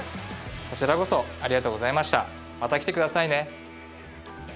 こちらこそありがとうございましたまた来てくださいね